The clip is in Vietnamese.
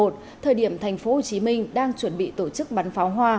thời điểm thành phố hồ chí minh đang chuẩn bị tổ chức bắn pháo hoa